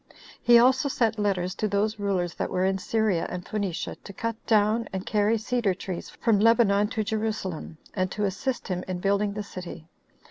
He also sent letters to those rulers that were in Syria and Phoenicia to cut down and carry cedar trees from Lebanon to Jerusalem, and to assist him in building the city.